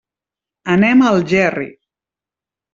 Anem a Algerri.